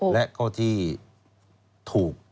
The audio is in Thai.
และก็ที่ถูก